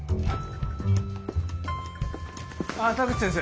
ああ田口先生。